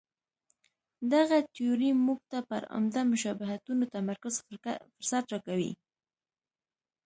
دغه تیوري موږ ته پر عمده مشابهتونو تمرکز فرصت راکوي.